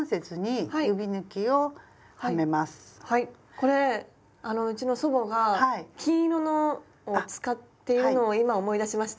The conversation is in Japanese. これうちの祖母が金色のを使っているのを今思い出しました。